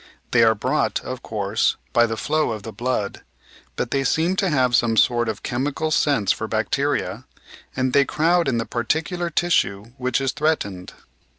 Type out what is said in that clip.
They are brought, of course, by the flow of the blood, but they seem to have some sort of chemical sense for bacteria, and they crowd in the par ticular tissue which is threatened.